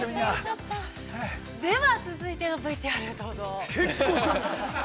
◆では、続いてのＶＴＲ、どうぞ。